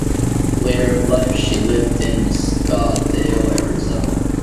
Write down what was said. Later in life, she lived in Scottsdale, Arizona.